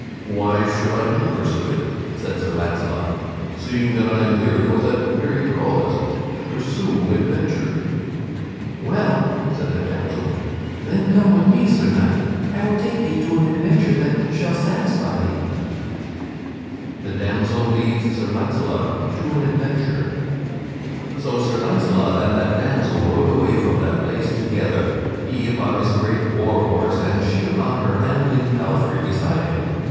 "Why should I not pursue it," said Sir Launcelot, "seeing that I am here for that very cause to pursue adventure?" "Well," said the damsel, "then come with me, Sir Knight, I will take thee to an adventure that shall satisfy thee." [Sidenote: The damsel leads Sir Launcelot to an adventure] So Sir Launcelot and that damsel rode away from that place together; he upon his great war horse and she upon her ambling palfrey beside him.